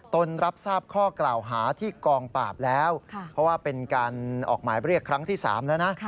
รับทราบข้อกล่าวหาที่กองปราบแล้วเพราะว่าเป็นการออกหมายเรียกครั้งที่๓แล้วนะ